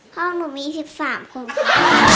ของหนูมี๑๓คนค่ะ